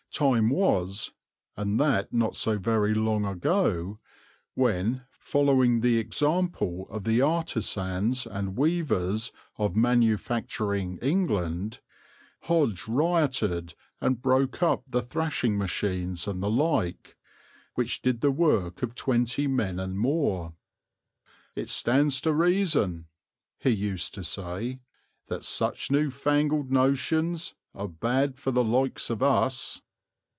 Time was, and that not so very long ago, when, following the example of the artisans and weavers of manufacturing England, Hodge rioted and broke up the thrashing machines and the like, which did the work of twenty men and more. "It stands to reason," he used to say, "that such newfangled notions are bad for the likes of us."